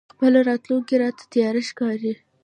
خپله راتلونکې راته تياره ښکاري.